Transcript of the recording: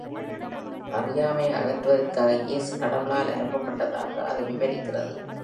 அறியாமையை அகற்றுவதற்காக இயேசு கடவுளால் அனுப்பப்பட்டதாக அது விவரிக்கிறது.